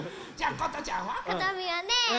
ことみはねハト！